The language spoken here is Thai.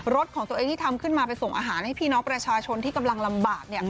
ของตัวเองที่ทำขึ้นมาไปส่งอาหารให้พี่น้องประชาชนที่กำลังลำบาก